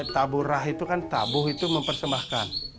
taburah itu kan tabuh itu mempersembahkan